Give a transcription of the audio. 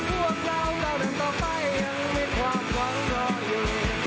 ที่พวกเราเราหนังต่อไปยังมีความหวังต่ออยู่